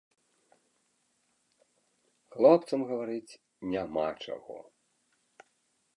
Хлопцам гаварыць няма чаго.